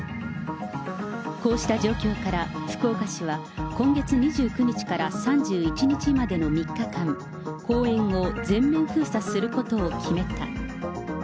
こうした状況から福岡市は、今月２９日から３１日までの３日間、公演を全面封鎖することを決めた。